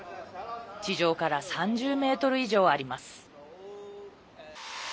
地上から３０ｍ以上あります。